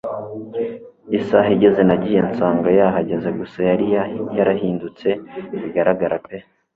isaaha igeze nagiye nsanga yahageze gusa yari yarahindutse bigaragara pe